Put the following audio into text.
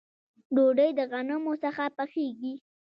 ډوډۍ د غنمو څخه پخیږي